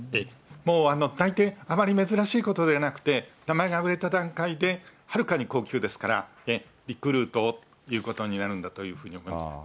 もう大抵、あまり珍しいことではなくて、名前が売れた段階で、はるかに高給ですから、リクルートということになるんだというふうに思います。